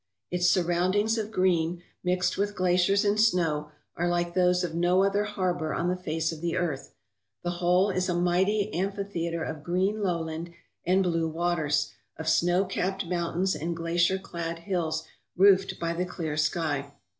Its surroundings of green, mixed with glaciers and snow, are like those of no other harbour on the face of the earth. The whole is a mighty amphi theatre of green lowland and blue waters, of snow capped mountains and glacier clad hills, roofed by the clear sky.